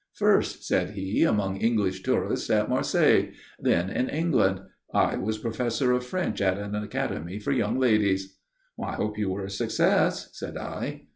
"First," said he, "among English tourists at Marseilles. Then in England. I was Professor of French at an academy for young ladies." "I hope you were a success?" said I.